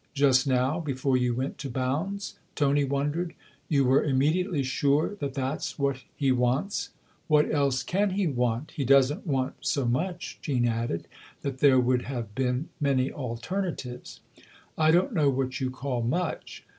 " Just now before you went to Bounds ?" Tony wondered. " You were immediately sure that that's what he wants ?"" What else can he want ? He doesn't want so much/' Jean added, "that there would have been many alternatives." " I don't know what you call ' much